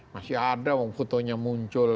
masih ada fotonya muncul